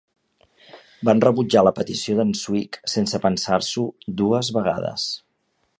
Van rebutjar la petició d"en Swig sense pensar-ho dues vegades.